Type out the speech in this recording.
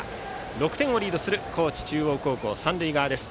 ６点をリードする高知中央高校三塁側です。